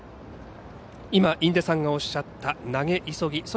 今、印出さんがおっしゃった投げ急ぎ。